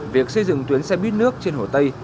việc xây dựng tuyến xe buýt nước trên hồ tây